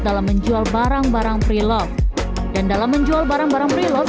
dalam menjual barang barang prelove